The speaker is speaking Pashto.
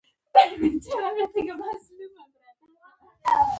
د عیدګاه جومات په کابل کې دی